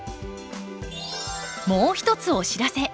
もう一つお知らせ。